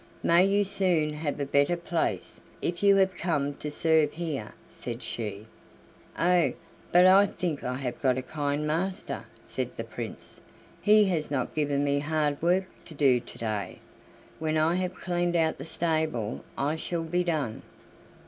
"May you soon have a better place, if you have come to serve here!" said she. "Oh, but I think I have got a kind master," said the Prince. "He has not given me hard work to do to day. When I have cleaned out the stable I shall be done."